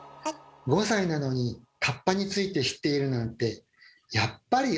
５歳なのにかっぱについて知っているなんてあらやっだあ。